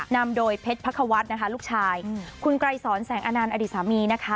นำโดยเพชรพระควัฒน์นะคะลูกชายคุณไกรสอนแสงอนันต์อดีตสามีนะคะ